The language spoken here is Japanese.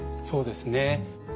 そうですね。